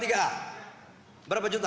golongan tiga a berapa juta